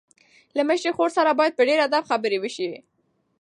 له مشرې خور سره باید په ډېر ادب خبرې وشي.